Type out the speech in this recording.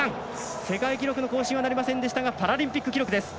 世界記録の更新はなりませんでしたがパラリンピック記録です。